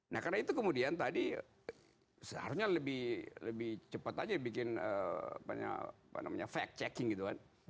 nah karena itu kemudian tadi seharusnya lebih cepat aja bikin fact checking gitu kan